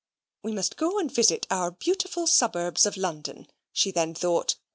"We must go and visit our beautiful suburbs of London," she then thought.